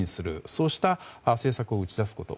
そうした政策を打ち出すこと